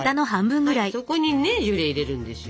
そこにねジュレ入れるんですよ。